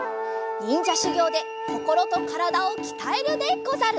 にんじゃしゅぎょうでこころとからだをきたえるでござる！